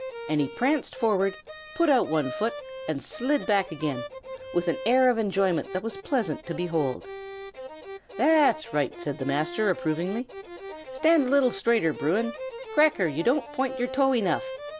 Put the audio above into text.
and he pranced forward, put out one foot, and slid back again, with an air of enjoyment that was pleasant to behold. "That's right!" said the master, approvingly. "Stand a little straighter, Bruin! Cracker, you don't point your toe enough.